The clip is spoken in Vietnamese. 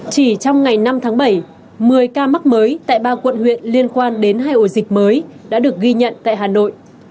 chỉ trong ngày năm tháng bảy một mươi ca mắc mới tại ba quận huyện liên quan đến hai ổ dịch mới đã được ghi nhận tại hà nội